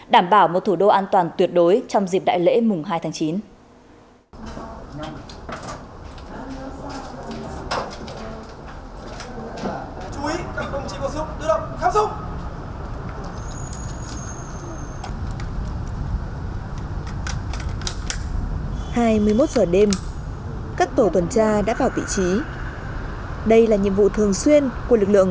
đảm bảo một thủ đô an toàn tuyệt đối trong dịp đại lễ mùng hai tháng chín